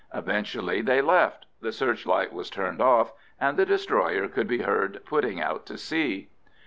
Eventually they left, the searchlight was turned off, and the destroyer could be heard putting out to sea.